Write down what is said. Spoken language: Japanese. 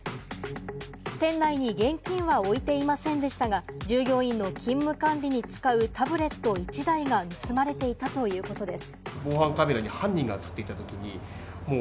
店内に現金は置いていませんでしたが、従業員の勤務管理に使うタブレット１台が盗まれていたということです。